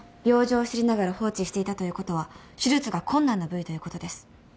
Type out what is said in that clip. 病状を知りながら放置していたということは手術が困難な部位ということです。